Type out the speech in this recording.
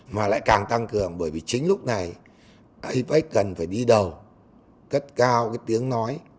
mà lại càng tăng cường bởi vì chính lúc này apec cần phải đi đầu cất cao cái tiếng nói